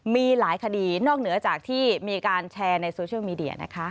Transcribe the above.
มีหลายคดีนอกเหนือจากที่มีการแชร์ในโซเชียลมีเดียนะคะ